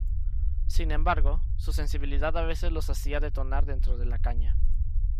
Sin embargo, su sensibilidad a veces los hacía detonar dentro de la caña.